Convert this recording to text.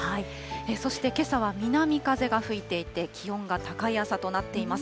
そしてけさは南風が吹いていて、気温が高い朝となっています。